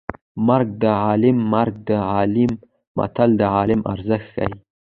مرګ د عالیم مرګ د عالیم متل د عالم ارزښت ښيي